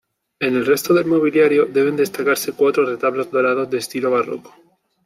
En el resto del mobiliario deben destacarse cuatro retablos dorados de estilo barroco.